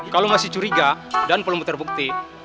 kalau masih curiga dan belum terbukti